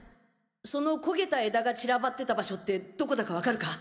その焦げた枝が散らばってた場所ってどこだかわかるか？